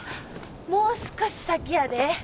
もう少し先やで。